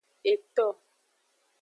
Eto.